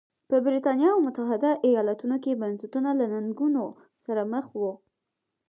په برېټانیا او متحده ایالتونو کې بنسټونه له ننګونو سره مخ وو.